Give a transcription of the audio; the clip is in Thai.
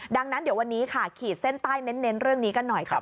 ดังนั้นเดี๋ยววันนี้ค่ะขีดเส้นใต้เน้นเรื่องนี้กันหน่อยกับ